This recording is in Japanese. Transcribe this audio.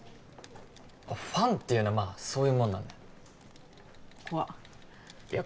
ファンっていうのはまあそういうもんなんだよ怖っいや